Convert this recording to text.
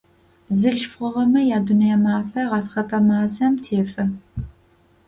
Бзылъфыгъэмэ я Дунэе мафэ гъэтхэпэ мазэм тефэ.